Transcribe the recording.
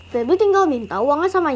pebi tinggal minta uangnya sama aceh